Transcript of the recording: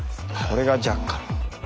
これがジャッカル。